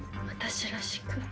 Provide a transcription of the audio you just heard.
私らしく？